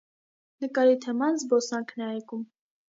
Նկարի թեման զբոսանքն է այգում։